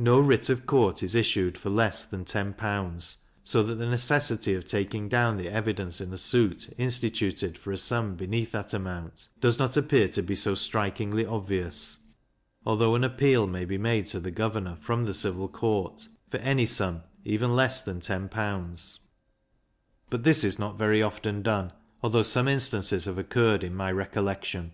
No writ of court is issued for less than ten pounds, so that the necessity of taking down the evidence in a suit instituted for a sum beneath that amount, does not appear to be so strikingly obvious; although an appeal may be made to the governor from the civil court, for any sum, even less than ten pounds; but this is not very often done, although some instances have occurred in my recollection.